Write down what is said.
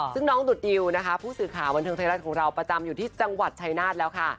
ซึ่งน้องดุดดิวนะคะผู้สื่อข่าวบันเทิงไทยรัฐของเราประจำอยู่ที่จังหวัดชายนาฏแล้วค่ะ